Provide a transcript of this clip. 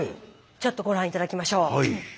ちょっとご覧頂きましょう。